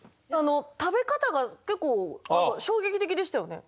食べ方が結構衝撃的でしたよね。